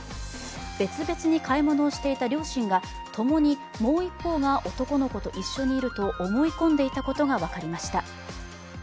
別々に買い物をしていた両親が共に、もう一方が男の子と一緒にいると思い込んでいたことが分かりました。